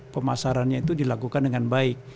pemasarannya itu dilakukan dengan baik